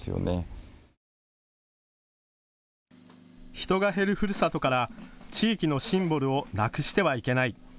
人が減るふるさとから地域のシンボルをなくしてはいけない。